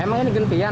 emang ini gentian ya